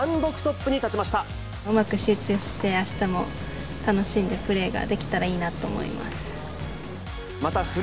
うまく集中して、あしたも楽しんでプレーができたらいいなと思います。